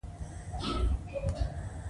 د دالان زينې ته رسېدلې نه وه چې ولوېدله.